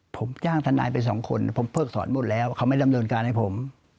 ผมจ้างทนายไปสองคนผมเพิกสอนหมดแล้วเขาไม่ดำเนินการให้ผม